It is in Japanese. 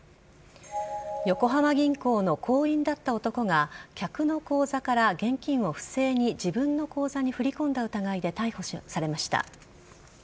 横浜銀行の行員だった男が客の口座から現金を不正に自分の口座に振り込んだ疑いで逮捕されました。